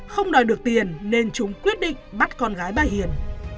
không đòi được tiền nên chúng quyết định bắt con gái bà hiền